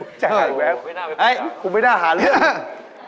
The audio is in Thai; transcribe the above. โอ๊ยชาติแว้งเฮ้ยผมไม่ได้หาเรื่อง